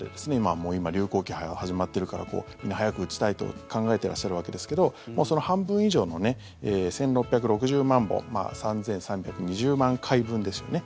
もう今、流行期始まってるからみんな早く打ちたいと考えてらっしゃるわけですけどその半分以上の１６６０万本３３２０万回分ですよね。